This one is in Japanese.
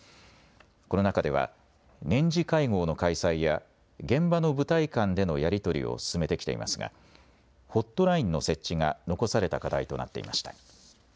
この中では年次会合の開催や現場の部隊間でのやり取りを進めてきていますがホットラインの設置が残された課題となっていました。